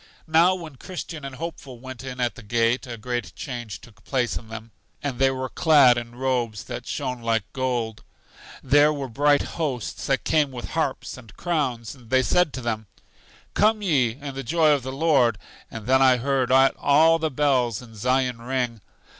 Now, when Christian and Hopeful went in at the gate a great change took place in them, and they were clad in robes that shone like gold. There were bright hosts that came with harps and crowns, and they said to them: Come, ye, in the joy of the Lord. And then I heard all the bells in Zion ring.